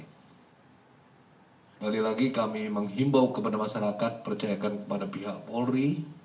sekali lagi kami menghimbau kepada masyarakat percayakan kepada pihak polri